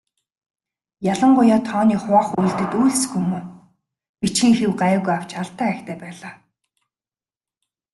Ялангуяа тооны хуваах үйлдэлд үйлсгүй муу, бичгийн хэв гайгүй авч алдаа ихтэй байлаа.